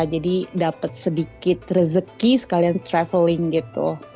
jadi dapet sedikit rezeki sekalian traveling gitu